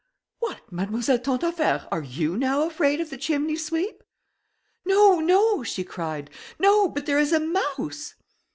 "What, Mademoiselle Tantaffaire, are you now afraid of the chimney sweep?" "No! no!" she cried, "no! but there is a mouse."